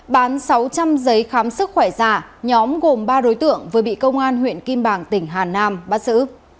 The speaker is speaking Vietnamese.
bán sáu trăm linh giấy khám sức khỏe giả nhóm gồm ba đối tượng vừa bị công an huyện kim bảng tỉnh hà nam bắt giữ